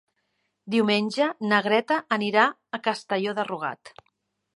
Diumenge na Greta anirà a Castelló de Rugat.